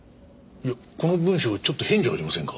いやこの文章ちょっと変じゃありませんか？